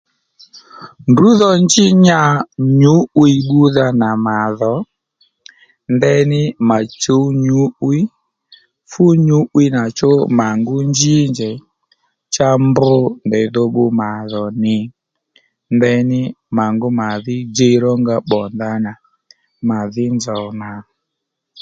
Ndrǔ dho njí nya nyǔ'wiy bbúdha nà màdhò ndeyní mà chǔw nyǔ'wiy fú nyǔ'wiy nà chú mà ngú nji njèy cha mbr ndèydho bbu màdhó nì ndèyní mà ngú màdhí djiy ronga bbò ndanà màdhí nzòw nà